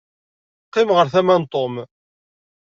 Qqim ar tama n Tom.